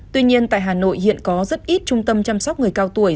tuy nhiên tại hà nội hiện có rất ít trung tâm chăm sóc người cao tuổi